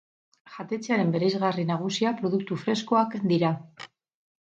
Jatetxearen bereizgarri nagusia produktu freskoak dira.